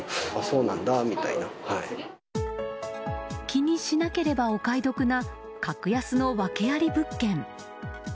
気にしなければお買い得な格安の訳あり物件。